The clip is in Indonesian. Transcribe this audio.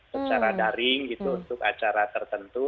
secara daring gitu untuk acara tertentu